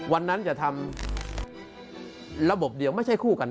วันนั้นจะทำระบบเดียวไม่ใช่คู่กัน